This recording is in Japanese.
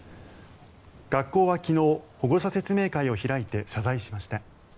学校は昨日保護者説明会を開いて謝罪しました。